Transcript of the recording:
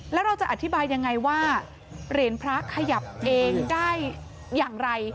แล้วเราจะอธิบายยังไงว่าเหรียญพระขยับเองได้อย่างไร